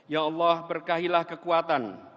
ya allah berkahilah kekuatan